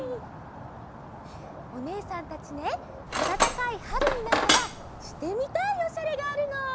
おねえさんたちねあたたかいはるになったらしてみたいおしゃれがあるの。